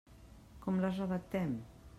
Com les redactem?